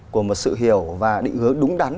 của một sự hiểu và định hướng đúng đắn